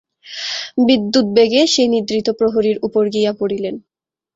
বিদ্যুদ্বেগে সে নিদ্রিত প্রহরীর উপর গিয়া পড়িলেন।